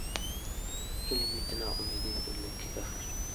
هیلې مې د نا امیدۍ په زړه کې ښخې شوې.